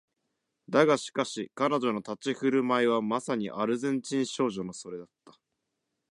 だがしかし彼女の立ち居振る舞いはまさにアルゼンチン人少女のそれだった